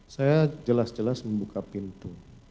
saya jelas jelas membuka pintu